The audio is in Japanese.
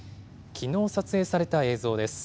きのう撮影された映像です。